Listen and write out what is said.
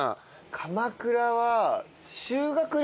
鎌倉は。